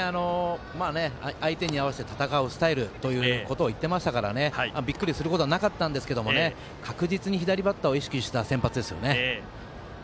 相手に合わせて戦うスタイルということを言っていましたからびっくりすることはなかったんですが、確実に左バッターを意識した先発ですよね。